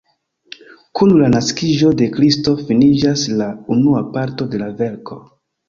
Kun la naskiĝo de Kristo finiĝas la unua parto de la verko.